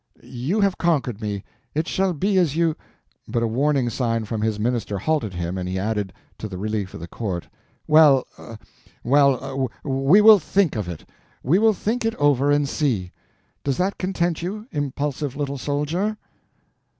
You have conquered me—it shall be as you—" But a warning sign from his minister halted him, and he added, to the relief of the court: "Well, well, we will think of it, we will think it over and see. Does that content you, impulsive little soldier?"